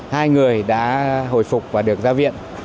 hai người đã hồi phục và được ra viện